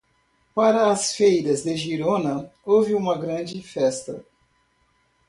Para as feiras de Girona, houve uma grande festa.